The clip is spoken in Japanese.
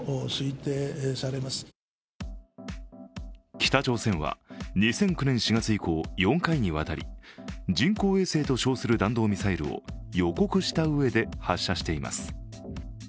北朝鮮は２００９年４月以降４回にわたり人工衛星と称する弾道ミサイルを予告したうえで発射しています。